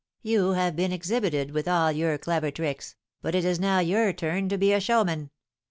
You have been exhibited with all your clever tricks, but it is now your turn to be showman.